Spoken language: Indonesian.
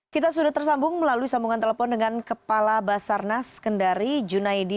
kita sudah tersambung melalui sambungan telepon dengan kepala basarnas kendari junaidi